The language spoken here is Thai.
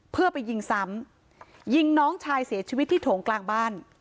เพื่อไปยิงซ้ำยิงน้องชายเสียชีวิตที่โถงกลางบ้าน